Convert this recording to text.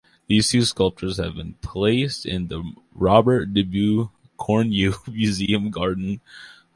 These two sculptures have then been placed in the Robert Dubois-Corneau Museum garden.